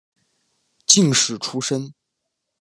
进士出身。